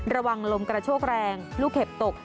ระวังลมกระโชกแรงลูกเห็บตก